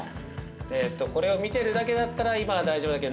◆ええとこれを見てるだけだったら今は大丈夫だけど。